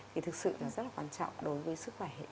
thì thực sự nó rất là quan trọng đối với sức khỏe hệ tim mạch